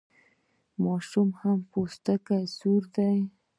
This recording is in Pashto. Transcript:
ماشوم مو پوستکی سور دی؟